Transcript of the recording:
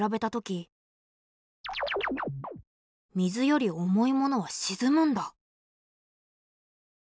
水より重いものは沈むんだ。